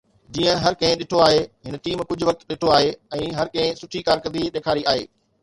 جيئن هر ڪنهن ڏٺو آهي، هن ٽيم ڪجهه وقت ڏٺو آهي ۽ هر ڪنهن سٺي ڪارڪردگي ڏيکاري آهي